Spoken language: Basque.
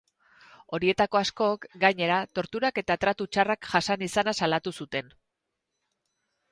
Horietako askok, gainera, torturak eta tratu txarrak jasan izana salatu zuten.